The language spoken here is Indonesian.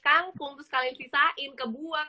kangkung terus kalian sisain kebuang